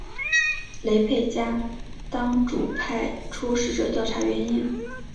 雷沛家当主派出使者调查原因。